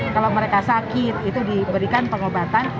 kalau mereka sakit itu diberikan pengobatan